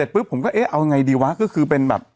ผมก็เอ๊ะเอาไงดีวะก็คือเป็นแบบ